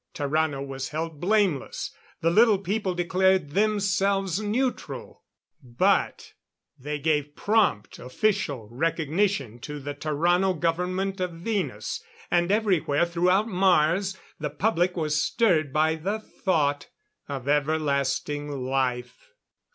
Tarrano was held blameless. The Little People declared themselves neutral. But they gave prompt official recognition to the Tarrano government of Venus. And everywhere throughout Mars the public was stirred by the thought of everlasting life.